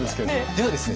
ではですね